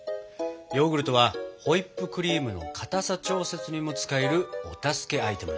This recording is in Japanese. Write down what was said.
ヨーグルトはホイップクリームの固さ調節にも使えるお助けアイテムなんだ。